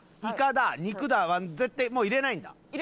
イカだ肉だは絶対もう入れないんだ？